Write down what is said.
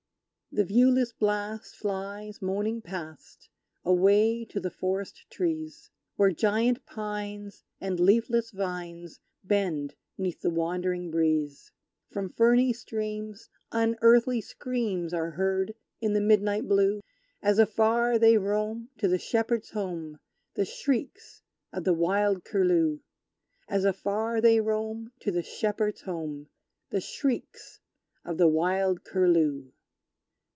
The viewless blast flies moaning past, Away to the forest trees; Where giant pines and leafless vines Bend 'neath the wandering breeze! From ferny streams, unearthly screams Are heard in the midnight blue; As afar they roam to the shepherd's home, The shrieks of the wild Curlew! As afar they roam To the shepherd's home, The shrieks of the wild Curlew!